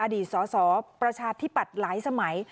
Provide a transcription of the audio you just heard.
อดีตสสประชาธิปัตย์หลายสมัย